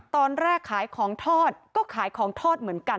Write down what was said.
ตอนแรกขายของทอดก็ขายของทอดเหมือนกัน